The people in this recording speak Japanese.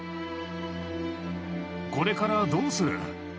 これからどうする？